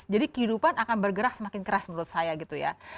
jadi kehidupan akan bergerak semakin keras menurut saya gitu ya